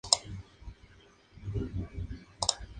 Está situado en un valle de la Sierra Madre.